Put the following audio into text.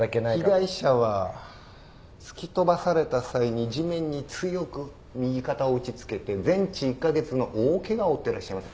被害者は突き飛ばされた際に地面に強く右肩を打ち付けて全治１カ月の大ケガを負ってらっしゃいます。